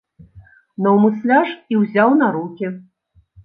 Наўмысля ж і ўзяў на рукі.